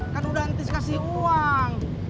kan udah entis kasih uang